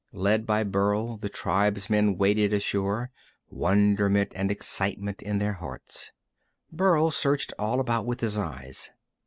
Led by Burl, the tribesmen waded ashore, wonderment and excitement in their hearts. Burl searched all about with his eyes.